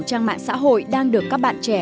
trang mạng xã hội đang được các bạn trẻ